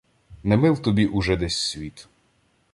Не мил тобі уже десь світ.